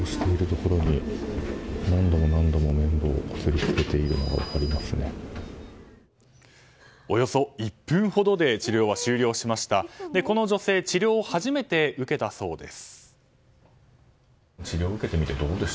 この女性治療を初めて受けたそうです。